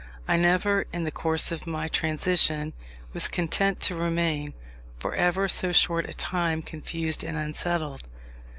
I never, in the course of my transition, was content to remain, for ever so short a time, confused and unsettled.